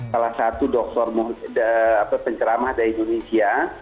salah satu dokter penceramah dari indonesia